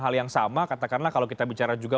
hal yang sama katakanlah kalau kita bicara juga